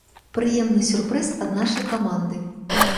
Прыемны сюрпрыз ад нашай каманды.